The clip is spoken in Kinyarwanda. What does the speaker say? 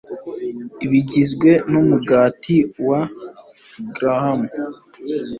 bigizwe numugati wa grahamu